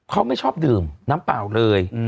เขาไม่ชอบดื่มน้ำเปล่าเลย